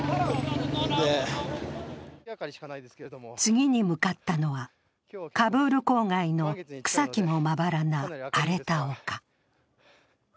次に向かったのはカブール郊外の草木もまばらな荒れた丘。